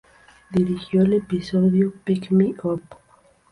Dirigió el episodio "Pick me up".